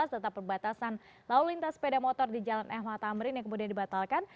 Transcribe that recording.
serta perbatasan lalu lintas sepeda motor di jalan mh tamrin yang kemudian dibatalkan